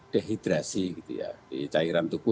dehydrasi cairan itu